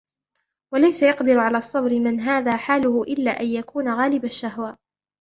وَلَيْسَ يَقْدِرُ عَلَى الصَّبْرِ مَنْ هَذَا حَالُهُ إلَّا أَنْ يَكُونَ غَالِبَ الشَّهْوَةِ